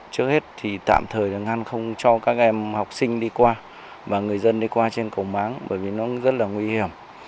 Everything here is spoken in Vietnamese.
trước hết thì tạm thời là ngăn không cho các em học sinh đi qua và người dân đi qua trên cầu máng bởi vì nó rất là nguy hiểm